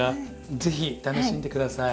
是非楽しんで下さい。